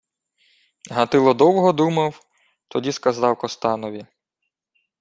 Гатило довго думав, тоді сказав Костанові: